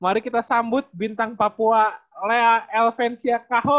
mari kita sambut bintang papua lea elvencia cahol